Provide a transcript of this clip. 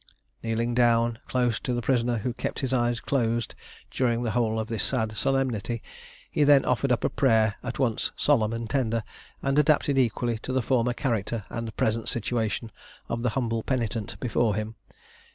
Kneeling down close to the prisoner, who kept his eyes closed during the whole of this sad solemnity, he then offered up a prayer at once solemn and tender, and adapted equally to the former character and present situation of the humble penitent before him.